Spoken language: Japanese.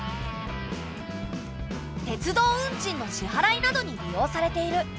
鉄道運賃の支払いなどに利用されている。